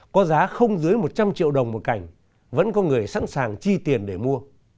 có giá không dưới một trăm linh triệu đồng một cảnh vẫn có người sẵn sàng chi tiền để mua